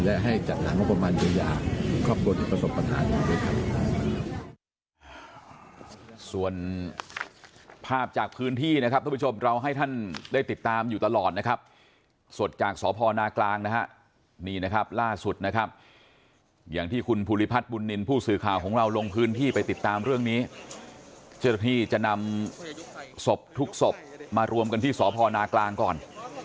และให้จัดหางบประมาณเยียวยาความประสบประสบประหารด้วยครับ